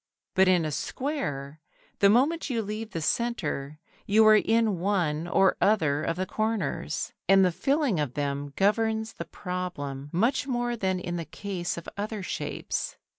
But in a square, the moment you leave the centre you are in one or other of the corners, and the filling of them governs the problem much more than in the case of other shapes.